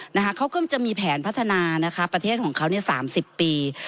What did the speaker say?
นะคะเขาก็จะมีแผนพัฒนานะคะประเทศของเขาเนี่ยสามสิบปี